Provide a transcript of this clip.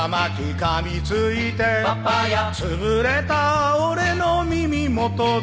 「かみついて」「パパヤ」「つぶれた俺の耳もとで」